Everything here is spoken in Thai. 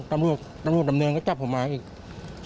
ตามโรคดำเนียงก็กลับมาอีก